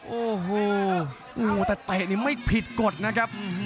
โอ้โหแต่เตะนี่ไม่ผิดกฎนะครับ